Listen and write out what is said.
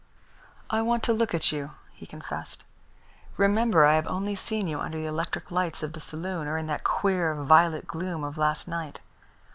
"I want to look at you," he confessed. "Remember I have only seen you under the electric lights of the saloon, or in that queer, violet gloom of last night.